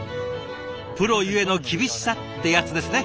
プロゆえの厳しさってやつですね。